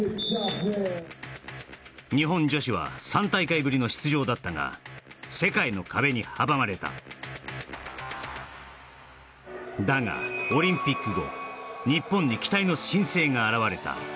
日本女子は３大会ぶりの出場だったが世界の壁に阻まれただがオリンピック後日本に期待の新星が現れた・